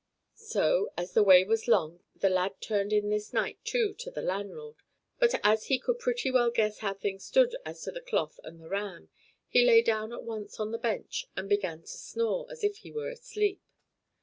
'" So, as the way was long, the lad turned in this night too to the landlord; but as he could pretty well guess how things stood as to the cloth and the ram, he lay down at once on the bench and began to snore, as if he were asleep.